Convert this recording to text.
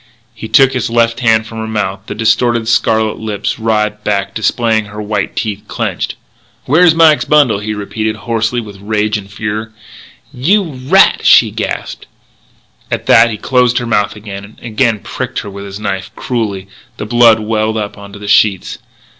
He took his left hand from her mouth. The distorted, scarlet lips writhed back, displaying her white teeth clenched. "Where's Mike's bundle!" he repeated, hoarse with rage and fear. "You rat!" she gasped. At that he closed her mouth again, and again he pricked her with his knife, cruelly. The blood welled up onto the sheets.